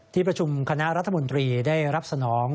ที่ประชุมคณะรัฐมนตรีได้รับสนอง